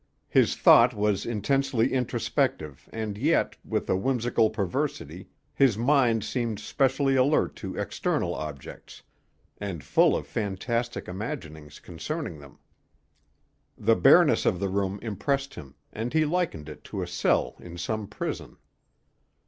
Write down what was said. His thought was intensely introspective, and yet, with a whimsical perversity, his mind seemed specially alert to external objects, and full of fantastic imaginings concerning them. The bareness of the room impressed him, and he likened it to a cell in some prison.